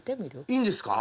いいんですか？